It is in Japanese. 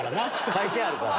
書いてあるから。